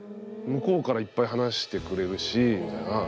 向こうからいっぱい話してくれるし。